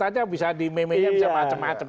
saja bisa di meme nya bisa macam macam